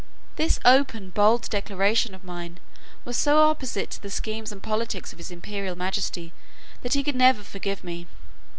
This open bold declaration of mine was so opposite to the schemes and politics of his imperial majesty, that he could never forgive me.